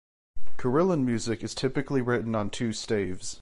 Carillon music is typically written on two staves.